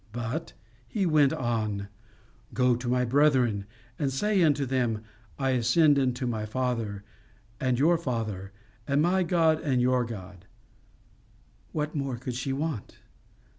BUT, he went on, GO TO MY BRETHREN AND SAY UNTO THEM: I ASCEND UNTO MY FATHER, AND YOUR FATHER; AND MY GOD AND YOUR GOD. What more could she want?